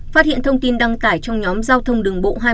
phát hiện thông tin đăng tải trong nhóm giao thông đường bộ hai mươi bốn h